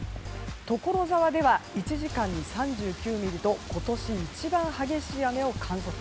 所沢では１時間に３９ミリと今年一番激しい雨を観測。